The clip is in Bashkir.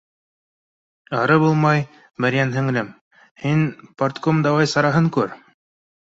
Ары булмай, Мәрйәм һеңлем, һин — парткум, давай, сараһын күр